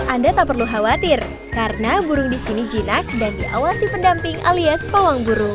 anda tak perlu khawatir karena burung di sini jinak dan diawasi pendamping alias pawang burung